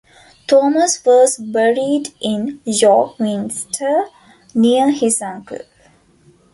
Thomas was buried in York Minster near his uncle.